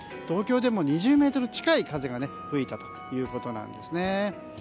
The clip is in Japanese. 東京でも２０メートル近い風が吹いたということです。